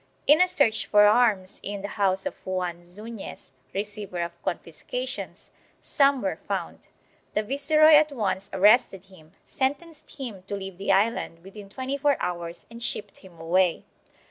In a search for arms in the house of Juan Zuiiez, receiver of confiscations, some were found. The viceroy at once arrested him, sentenced him to leave the island within twenty four hours and shipped him away.